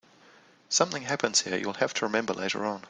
Something happens here you'll have to remember later on.